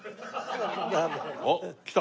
あっ来た。